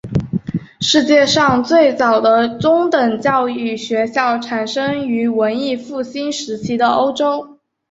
世界上最早的中等教育学校产生于文艺复兴时期的欧洲。